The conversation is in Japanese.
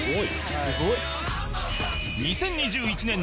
「すごい！」